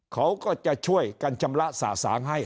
เขาก็จะช่วยกันชำระสะสางให้